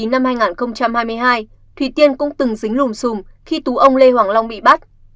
năm hai nghìn hai mươi hai thủy tiên cũng từng dính lùm xùm khi tú ông lê hoàng long bị bắt